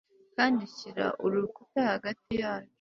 kandi shyira urukuta hagati yacu